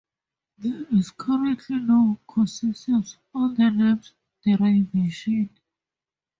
There is currently no consensus on the name's derivation.